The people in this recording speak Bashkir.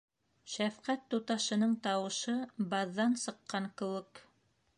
Шәфҡәт туташының тауышы баҙҙан сыҡҡан кеүек.